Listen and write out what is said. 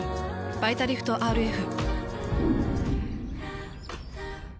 「バイタリフトＲＦ」。